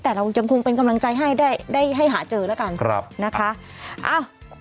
แต่เรายังคงเป็นกำลังใจให้ได้ได้ให้หาเจอแล้วกันครับนะคะ